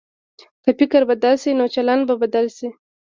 که فکر بدل شي، نو چلند به بدل شي.